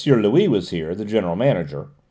Louis was here, the general manager, M.